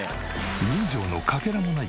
人情のかけらもない